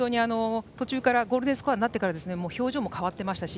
ゴールデンスコアになってから表情も変わってましたし